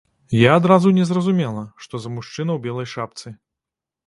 Я адразу не зразумела, што за мужчына ў белай шапцы.